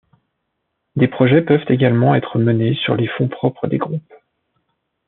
Des projets peuvent également être menés sur les fonds propres des groupes.